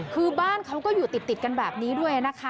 คือบ้านเขาก็อยู่ติดกันแบบนี้ด้วยนะคะ